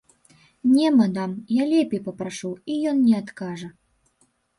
Не, мадам, я лепей папрашу, і ён не адкажа.